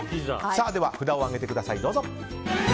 では、札を上げてください。